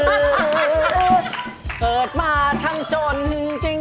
เกิดมาฉันจนจริง